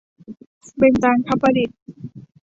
เบญจางคประดิษฐ์